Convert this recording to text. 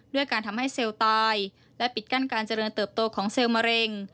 ด้วยการทำให้เซลล์ตายและปิดกั้นการเจริญเติบโตของเซลล์มะเร็ง